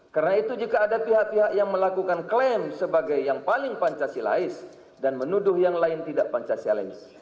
karena itu jika ada pihak pihak yang melakukan klaim sebagai yang paling pancasilais dan menuduh yang lain tidak pancasialais